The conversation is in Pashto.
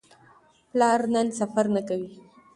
پلار نن سفر نه کوي.